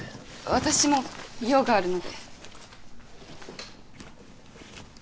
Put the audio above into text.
私も用があるので。